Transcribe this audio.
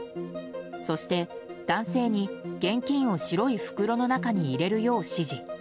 そして男性に現金を白い袋の中に入れるよう指示。